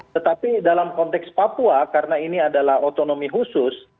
tetapi dalam konteks papua karena ini adalah otonomi khusus